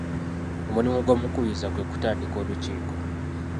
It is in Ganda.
Omulimo gw’omukubiriza kwe kutandika olukiiko.